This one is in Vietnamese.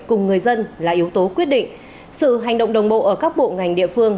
cùng người dân là yếu tố quyết định sự hành động đồng bộ ở các bộ ngành địa phương